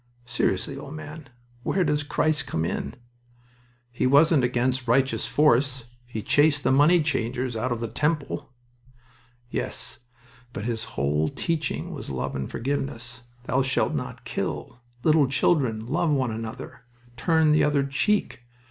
"Seriously, old man. Where does Christ come in?" "He wasn't against righteous force. He chased the money changers out of the Temple." "Yes, but His whole teaching was love and forgiveness. 'Thou shalt not kill.' 'Little children, love one another!' 'Turn the other cheek.'.